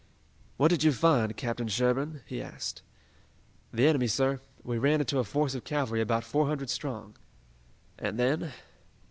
"What did you find, Captain Sherburne?" he asked. "The enemy, sir. We ran into a force of cavalry about four hundred strong." "And then?"